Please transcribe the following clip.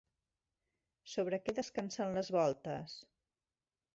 Sobre què descansen les voltes?